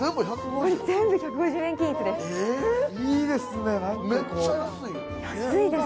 これ、全部１５０円均一です。